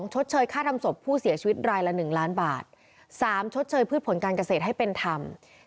ชดเชยค่าทำศพผู้เสียชีวิตรายละ๑ล้านบาท๓ชดเชยพืชผลการเกษตรให้เป็นธรรม